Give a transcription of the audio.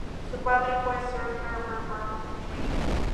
Su padre fue Sir Herbert Beerbohm Tree.